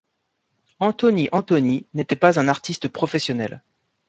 Anthony Anthony n'était pas un artiste professionnel.